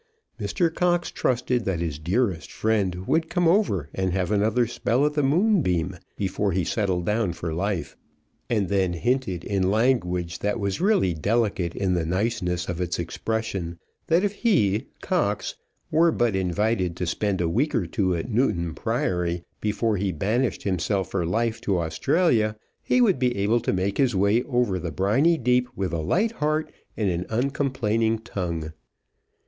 Mr. Cox trusted that his dearest friend would come over and have another spell at the Moonbeam before he settled down for life; and then hinted in language that was really delicate in the niceness of its expression, that if he, Cox, were but invited to spend a week or two at Newton Priory before he banished himself for life to Australia, he would be able to make his way over the briny deep with a light heart and an uncomplaining tongue.